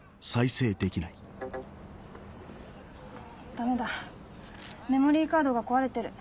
ダメだメモリーカードが壊れてる。